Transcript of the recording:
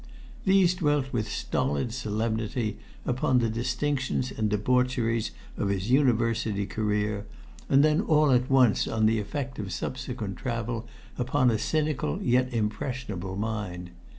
These dwelt with stolid solemnity upon the distinctions and debaucheries of his University career, and then all at once on the effect of subsequent travel upon a cynical yet impressionable mind.